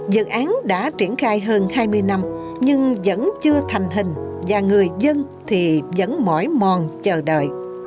dự án đã triển khai hơn hai mươi năm nhưng vẫn chưa thành hình và người dân thì vẫn mỏi mòn chờ đợi